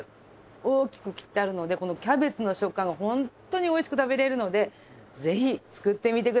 大きく切ってあるのでこのキャベツの食感がホントにおいしく食べられるのでぜひ作ってみてください！